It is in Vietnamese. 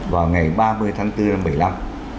vào ngày ba mươi tháng tư năm một nghìn chín trăm bảy mươi năm